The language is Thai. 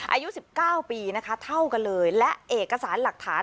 อายุ๑๙ปีนะคะเท่ากันเลยและเอกสารหลักฐาน